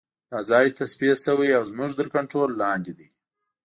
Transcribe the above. دا ځای تصفیه شوی او زموږ تر کنترول لاندې دی